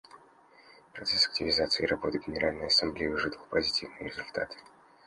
Процесс активизации работы Генеральной Ассамблеи уже дал позитивные результаты.